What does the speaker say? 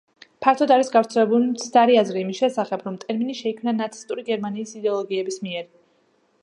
ფართოდ არის გავრცელებული მცდარი აზრი იმის შესახებ, რომ ტერმინი შეიქმნა ნაცისტური გერმანიის იდეოლოგების მიერ.